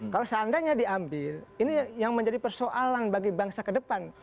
kalau seandainya diambil ini yang menjadi persoalan bagi bangsa ke depan